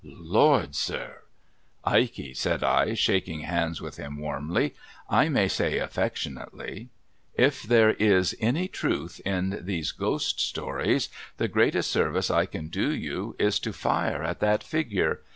' Lord, sir ?'' Ikey !' said I, shaking hands with him warmly : I may say affectionately; 'if there is any truth in these ghost stories, the greatest service I can do you, is, to fire at that figure.